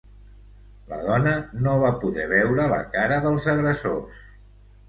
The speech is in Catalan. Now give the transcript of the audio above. La dona no va poder veure la cara dels agressors.